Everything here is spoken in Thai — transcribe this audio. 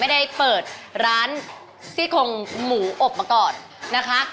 ได้เปิดร้านซี่โครงหมูอบมาก่อนนะคะ